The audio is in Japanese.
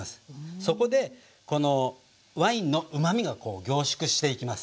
そこでワインのうまみが凝縮していきます。